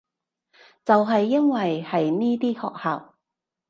就係因為係呢啲學校